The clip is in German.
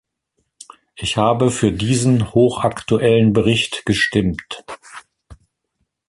Ich habe für diesen hochaktuellen Bericht gestimmt.